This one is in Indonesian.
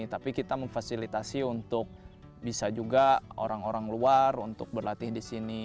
tapi kita memfasilitasi untuk bisa juga orang orang luar untuk berlatih di sini